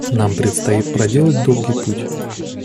Нам предстоит проделать долгий путь.